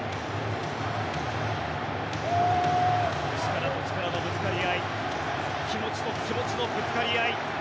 力と力のぶつかり合い気持ちと気持ちのぶつかり合い